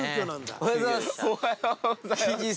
おはようございます！